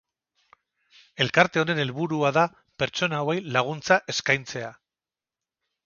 Elkarte honen helburua da pertsona hauei laguntza eskaintzea.